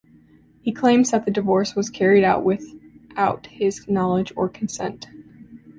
He claims that the divorce was carried out without his knowledge or consent.